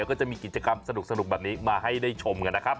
แล้วก็จะมีกิจกรรมสนุกแบบนี้มาให้ได้ชมกันนะครับ